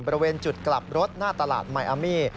บริเวณจุดกลับรถหน้าตลาดมายอามี่